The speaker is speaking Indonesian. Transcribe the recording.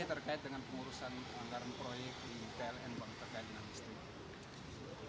apa terkait dengan istimewa